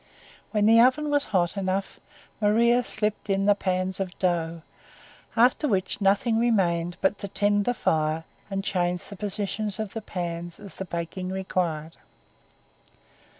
When the oven was hot enough, Maria slipped in the pans of dough; after which nothing remained but to tend the fire and change the position of the pans as the baking required.